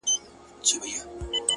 • زما دي په یاد وي ستا دي هېر وي ګلي ,